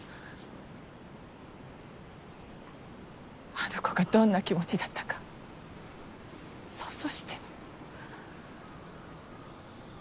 あの子がどんな気持ちだったか想像して。